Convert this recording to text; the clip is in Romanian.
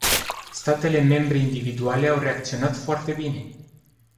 Statele membre individuale au reacționat foarte bine.